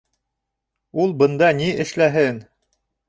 Ул бында ни эшләһен?